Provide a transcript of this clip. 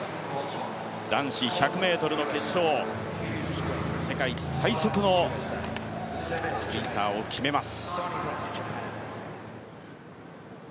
男子１００ｍの決勝、世界最速のスプリンターを決めます。